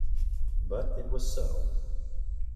But it was so.